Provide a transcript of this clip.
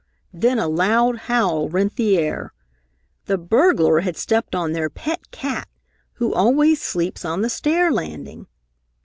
Then a loud howl rent the air. The burglar had stepped on their pet cat, who always sleeps on the stair landing!